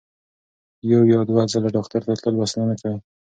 یو یا دوه ځله ډاکټر ته تلل بسنه نه کوي.